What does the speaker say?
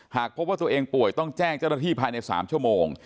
หากพบว่าตัวเองป่วยต้องแจ้งเจ้าหน้าที่ภายใน๓ชั่วโมง